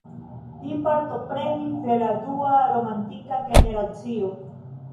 Li partoprenis de la dua romantika generacio.